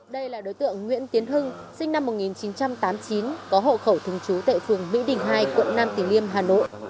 đây là đối tượng nguyễn tiến hưng sinh năm một nghìn chín trăm tám mươi chín có hộ khẩu thường trú tại phường mỹ đình hai quận nam tử liêm hà nội